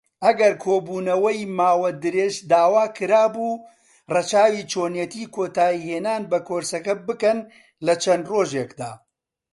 ئەگەر کۆبوونەوەی ماوە درێژ داواکرابوو، ڕەچاوی چۆنێتی کۆتایهێنان بە کۆرسەکە بکەن لەچەند ڕۆژێکدا.